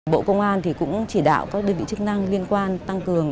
bộ công an cũng chỉ đạo các đơn vị chức năng liên quan tăng cường